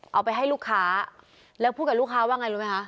เอาไปให้ลูกค้าแล้วพูดกับลูกค้าว่าไงรู้ไหมคะ